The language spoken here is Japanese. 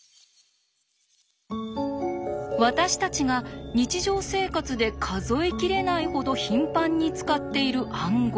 私たちが日常生活で数え切れないほど頻繁に使っている暗号。